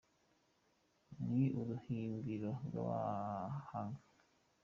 Ni uruhimbiro rw’abahanga